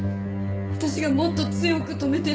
私がもっと強く止めていれば。